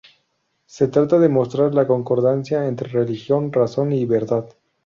Se trata de mostrar la concordancia entre religión, razón y verdad.